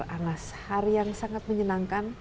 karena sehari yang sangat menyenangkan